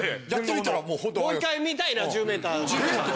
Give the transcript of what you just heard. もう１回見たいな「１０ｍ」のところ。